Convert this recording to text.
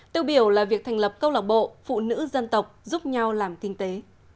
tiêu biểu là việc thành lập câu lạc bộ phụ nữ dân tộc giúp nhau làm kinh tế